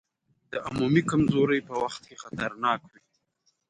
د عمومي کمزورۍ په وخت کې خطرناک وي.